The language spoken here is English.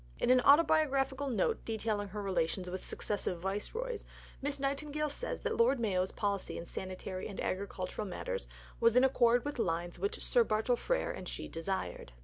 In an autobiographical note detailing her relations with successive Viceroys, Miss Nightingale says that Lord Mayo's policy in sanitary and agricultural matters was in accord with lines which Sir Bartle Frere and she desired.